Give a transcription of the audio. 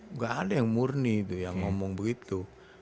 nggak ada yang murni itu yang ngomong begitu